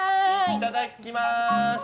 いっただっきます！